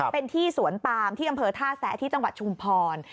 เป็นที่สวนปามที่อำเภอท่าแซะที่จังหวัดชุมพร